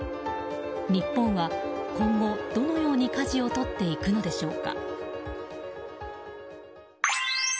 日本は今後、どのようにかじを取っていくのでしょうか？